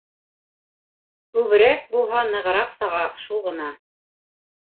Күберәк буһа нығыраҡ саға, шу ғына...